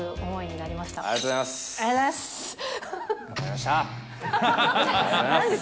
ありがとうございます。